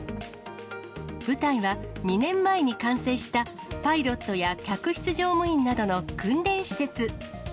舞台は２年前に完成した、パイロットや客室乗務員などの訓練施設。